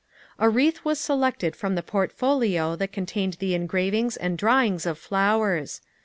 A wreath was selected from the portfolio that contained the engravings and drawings of flowers.